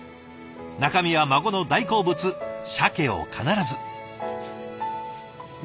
中身は孫の大好物しゃけを必ず。